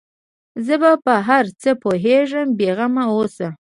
زه په هر څه پوهېږم بې غمه اوسه.